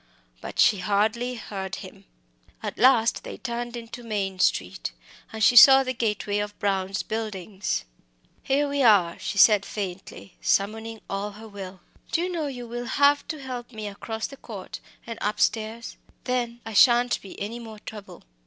But she hardly heard him. At last they turned into Maine Street, and she saw the gateway of Brown's Buildings. "Here we are," she said faintly, summoning all her will; "do you know you will have to help me across that court, and upstairs then I shan't be any more trouble."